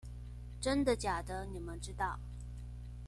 真的假的你們知道